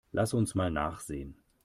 Lass uns mal nachsehen.